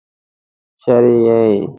څري يې؟